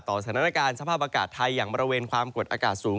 สถานการณ์สภาพอากาศไทยอย่างบริเวณความกดอากาศสูง